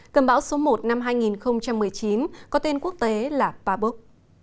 cơn bão số một năm hai nghìn một mươi chín có tên quốc tế là pabuk